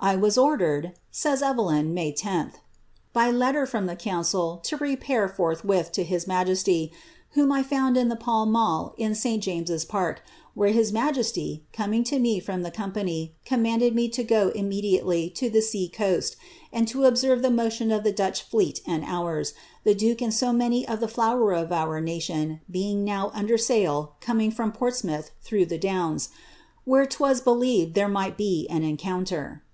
"1 was ordered," says Evelyn, May 10, by letter from the council to repair forthwith to his majesty, wlioni I found in the pall mall in St. James's Park, where his majesty, coming to me from the company, commanded me to go immediately to the sea coast, and to observe the motion of the Dutch fleet and ours, the duke and so many of the flower of our nation being now under sail coming from Portsmouth through the Downs, where 'twas believed there might be an encounter."